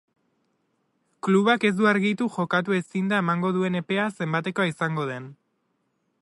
Klubak ez du argitu jokatu ezinda emango duen epea zenbatekoa izango den.